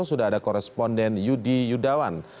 sudah ada koresponden yudi yudawan